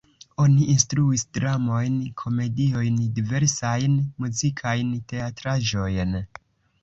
Oni instruis dramojn, komediojn, diversajn muzikajn teatraĵojn.